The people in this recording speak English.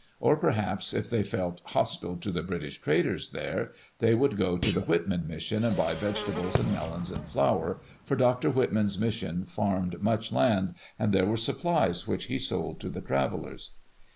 Or, perhaps, if they felt hos tile to the British traders there, they would go to the Whitman mission and buy vegetables and melons and flour, for Dr. Whitman's mission farmed much land and there were supplies which he sold to the travelers.